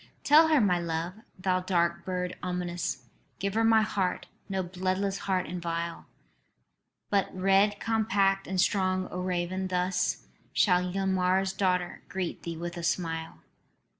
"Tell her my love, thou dark bird ominous; Give her my heart, no bloodless heart and vile But red compact and strong, O raven. Thus Shall Ylmer's daughter greet thee with a smile.